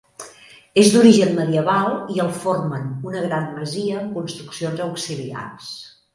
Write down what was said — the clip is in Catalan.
És d'origen medieval i el formen una gran masia amb construccions auxiliars.